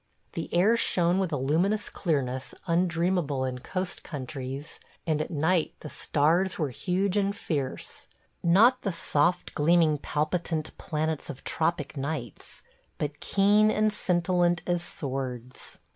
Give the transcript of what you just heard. The air shone with a luminous clearness undreamable in coast countries, and at night the stars were huge and fierce: not the soft gleaming palpitant planets of tropic nights, but keen and scintillant as swords.